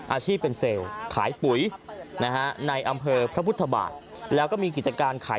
อาชีพเป็นเซลล์ขายปุ๋ยนะฮะในอำเภอพระพุทธบาทแล้วก็มีกิจการขาย